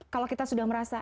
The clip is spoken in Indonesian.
kalau kita sudah merasa